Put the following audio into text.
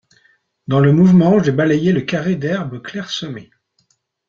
Dans le mouvement, j’ai balayé le carré d’herbes clairsemées.